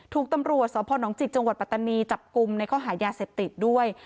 ถูกตำรวจสพนจิกจังหวัดปัตตานีจับกลุ่มในข้อหายาเสพติดด้วย